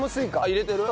入れてる？